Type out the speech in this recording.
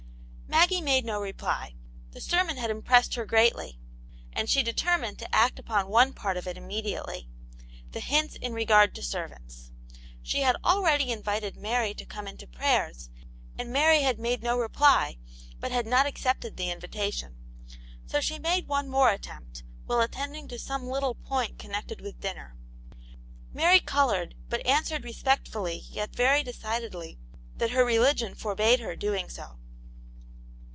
Maggie made no reply. The sermon had im pressed her greatly, and she determined to act upon one part of it immediately ; the hints in re gard to servants. She had already invited Mary to come into prayers, and Mary had made no reply, * but had not accepted the invitation. So she made one more attempt, while attending to some little point connected with dinner. Mary coloured, but answered respectfully, yet very decidedly, that her religion forbade her doing so.